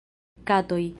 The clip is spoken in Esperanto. Katoj